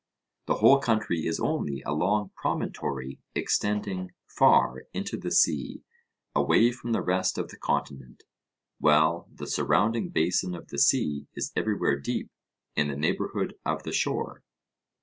The whole country is only a long promontory extending far into the sea away from the rest of the continent, while the surrounding basin of the sea is everywhere deep in the neighbourhood of the shore.